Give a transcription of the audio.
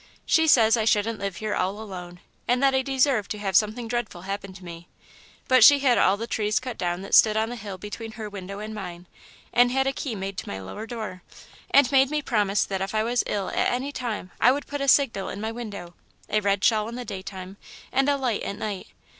She says I shouldn't live here all alone, and that I deserve to have something dreadful happen to me, but she had all the trees cut down that stood on the hill between her window and mine, and had a key made to my lower door, and made me promise that if I was ill at any time, I would put a signal in my window a red shawl in the daytime and a light at night.